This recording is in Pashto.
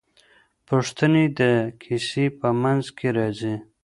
پوښتنې د کیسې په منځ کې راځي.